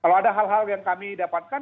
kalau ada hal hal yang kami dapatkan